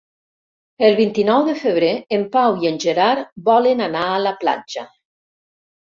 El vint-i-nou de febrer en Pau i en Gerard volen anar a la platja.